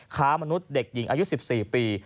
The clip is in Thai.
ค้ามนุษย์เด็กหญิงอายุ๑๔ปี